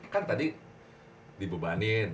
kan tadi di bebanin